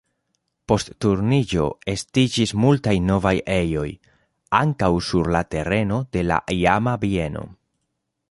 Post Turniĝo estiĝis multaj novaj ejoj, ankaŭ sur la tereno de la iama bieno.